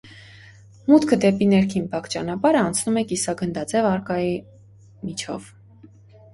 Մուտքը դեպի ներքին բակ ճանապարհը անցնում է կիսագնդաձև արկայի միջով։